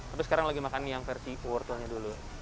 tapi sekarang lagi makan yang versi wortelnya dulu